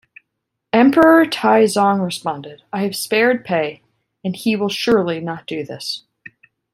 Emperor Taizong responded, I have spared Pei, and he will surely not do this.